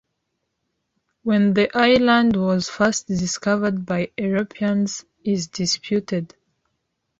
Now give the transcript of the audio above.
When the island was first discovered by Europeans is disputed.